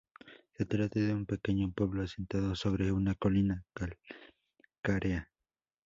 Se trata de un pequeño pueblo asentado sobre una colina calcárea.